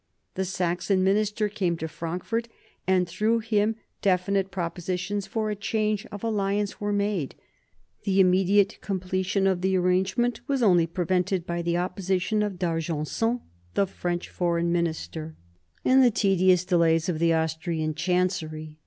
The Saxon minister came to Frankfort, and through him definite propositions for a change of alliance were made. The immediate completion of the arrangement was only prevented by the opposition of D'Argenson, the French foreign minister, and the tedious delays of 1743 45 WAR OF SUCCESSION 48 the Austrian chancery.